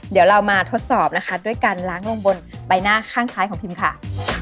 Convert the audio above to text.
เดี๋ยวเรามาทดสอบนะคะด้วยการล้างลงบนใบหน้าข้างซ้ายของพิมค่ะ